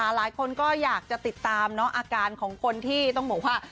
หลายคนก็อยากจะติดตามอาการของคนที่ต้องบอกว่า